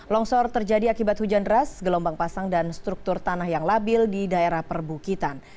longsor terjadi akibat hujan deras gelombang pasang dan struktur tanah yang labil di daerah perbukitan